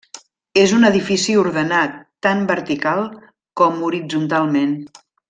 És un edifici ordenat tan vertical com horitzontalment.